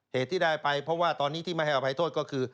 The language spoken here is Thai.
เหตุที่ได้ไปเพราะว่าตอนนี้ที่ไม่ให้อภัยโทษก็คือ